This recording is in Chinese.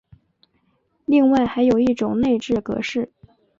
另外还有一种内置格式。